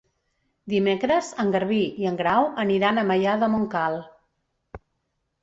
Dimecres en Garbí i en Grau aniran a Maià de Montcal.